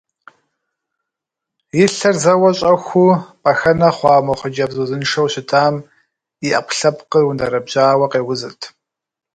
И лъэр зэуэ щӏэхуу пӏэхэнэ хъуа мо хъыджэбз узыншэу щытам и ӏэпкълъэпкъыр ундэрэбжьауэ къеузырт.